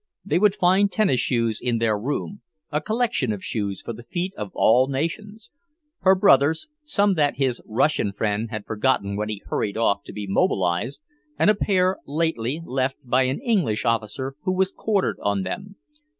They would find tennis shoes in their room, a collection of shoes, for the feet of all nations; her brother's, some that his Russian friend had forgotten when he hurried off to be mobilized, and a pair lately left by an English officer who was quartered on them.